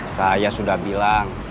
saya sudah bilang